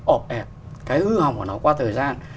ọp ẹt cái hư hỏng của nó qua thời gian